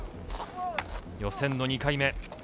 予選の２回目。